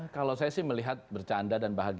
kalau saya sih melihat bercanda dan bahagia